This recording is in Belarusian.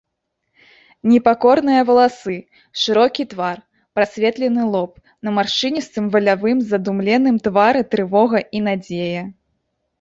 Непакорныя валасы, шырокі твар, прасветлены лоб, на маршчыністым валявым задуменным твары трывога і надзея.